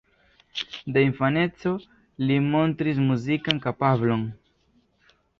De infaneco li montris muzikan kapablon.